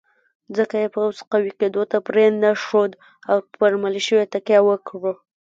ځکه یې پوځ قوي کېدو ته پرېنښود او پر ملېشو یې تکیه وکړه.